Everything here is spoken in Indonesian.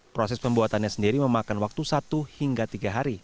proses pembuatannya sendiri memakan waktu satu hingga tiga hari